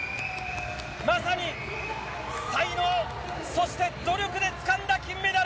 まさに才能、そして努力でつかんだ金メダル！